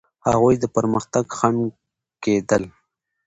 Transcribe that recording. هغوی د پرمختګ خنډ کېدل.